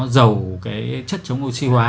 dầu cái chất chống oxy hóa